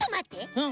うん。